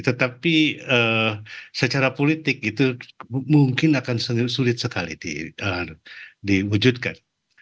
tetapi secara politik itu mungkin akan sulit sekali diwujudkan